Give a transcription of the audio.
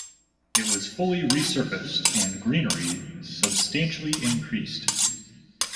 It was fully re-surfaced, and greenery substantially increased.